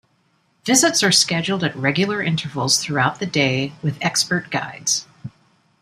Visits are scheduled at regular intervals throughout the day with expert guides.